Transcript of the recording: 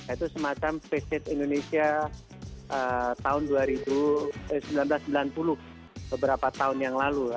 itu semacam face indonesia tahun seribu sembilan ratus sembilan puluh beberapa tahun yang lalu